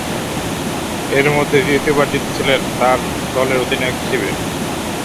এর মধ্যে দ্বিতীয়বার জিতেছিলেন তার দলের অধিনায়ক হিসেবে।